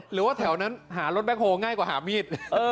หรือว่าแถวนั้นหารถแบ็คโฮลง่ายกว่าหามีด